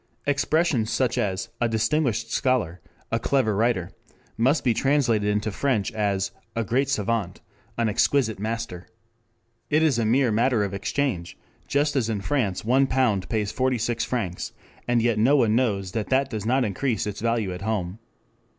"Expressions such as 'a distinguished scholar,' 'a clever writer,' must be translated into French as 'a great savant,' 'an exquisite master.' It is a mere matter of exchange, just as in France one pound pays 46 francs, and yet one knows that that does not increase its value at home.